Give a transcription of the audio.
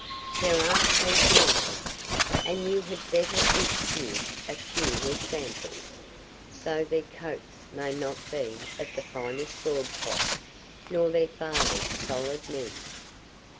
There are plenty of them, and you had better introduce a few as samples, though their coats may not be of the finest broadcloth, nor their fathers 'solid men.